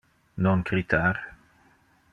Non critar.